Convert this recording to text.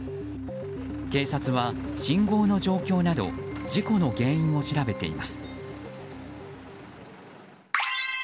警察は信号の状況など事故の原因を調べています。